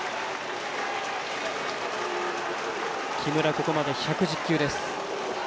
ここまで１１０球です。